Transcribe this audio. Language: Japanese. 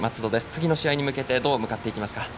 次の試合に向けてどう向かっていきますか？